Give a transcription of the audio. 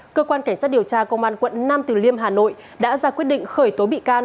cơ quan cảnh sát điều tra công an quận nam từ liêm hà nội đã ra quyết định khởi tố bị can